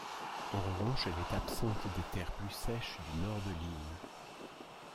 En revanche, elle est absente des terres plus sèches du nord de l'île.